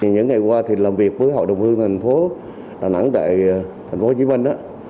những ngày qua thì làm việc với hội đồng hương thành phố đà nẵng tại thành phố hồ chí minh